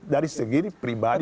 dari segi pribadi